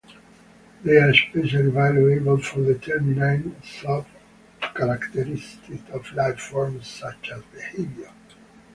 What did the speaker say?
They are especially valuable for determining some characteristics of life-forms, such as behavior.